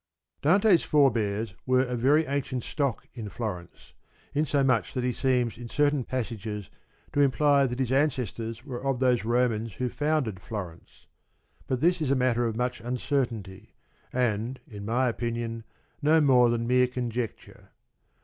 Dante's forebears were of very ancient stock irv Florence, in so much that he seems in certain passages to imply that his ancestors were of those Romans who founded Florence ; but this is a matter of much un certainty, and in my opinion no more than mere conjecture.